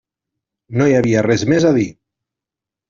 No hi havia res més a dir.